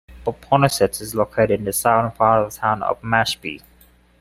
Popponesset is located in the southern part of the town of Mashpee.